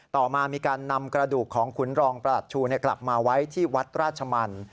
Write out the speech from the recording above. ต่อมามีการนำกระดูกของขุนรองประหลัดชูกลับมาไว้ที่วัดราชมัน